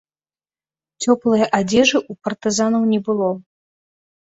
Цёплае адзежы ў партызанаў не было.